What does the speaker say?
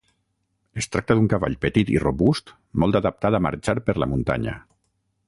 Es tracta d'un cavall petit i robust molt adaptat a marxar per la muntanya.